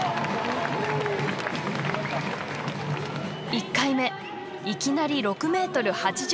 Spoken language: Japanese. １回目いきなり６ｍ８３ｃｍを記録。